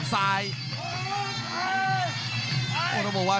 ยังไงยังไง